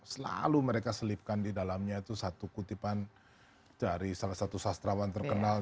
selalu mereka selipkan di dalamnya itu satu kutipan dari salah satu sastrawan terkenal